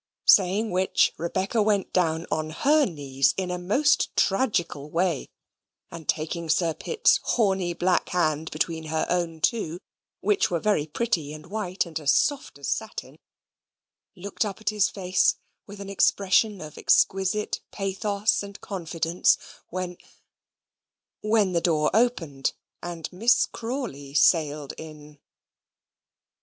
Saying which, Rebecca went down on HER knees in a most tragical way, and, taking Sir Pitt's horny black hand between her own two (which were very pretty and white, and as soft as satin), looked up in his face with an expression of exquisite pathos and confidence, when when the door opened, and Miss Crawley sailed in.